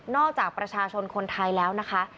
จากประชาชนคนไทยแล้วนะคะ